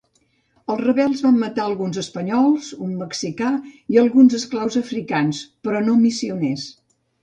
Els rebels van matar alguns espanyols, un mexicà i alguns esclaus africans, però no missioners.